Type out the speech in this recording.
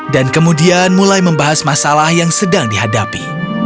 dan kemudian mulai membahas masalah yang sedang dihadapi